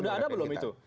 sudah ada belum itu